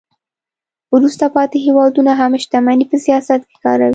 وروسته پاتې هیوادونه هم شتمني په سیاست کې کاروي